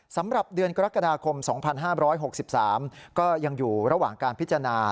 สำหรับเดือนกรกฎาคม๒๕๖๓ก็ยังอยู่ระหว่างการพิจารณา